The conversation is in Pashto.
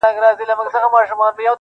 هري خواته چي مو مخ به سو خپل کور وو٫